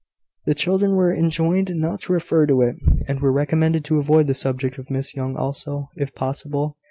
The children were enjoined not to refer to it, and were recommended to avoid the subject of Miss Young also, if possible.